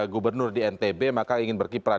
gubernur di ntb maka ingin berkiprah